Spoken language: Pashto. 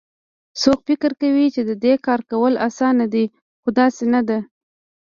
څوک فکر کوي چې د دې کار کول اسان دي خو داسي نه ده